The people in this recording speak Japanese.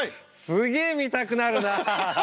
すげえ見たくなるな。